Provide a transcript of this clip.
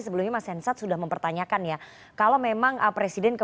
sejarah tidak pernah mencatat keberhasilan